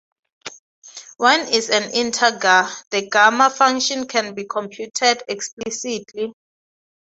When is an integer, the gamma function can be computed explicitly.